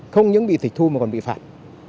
không những bị thịt thu mà còn bị phạt